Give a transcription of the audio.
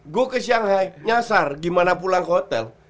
gue ke shanghai nyasar gimana pulang ke hotel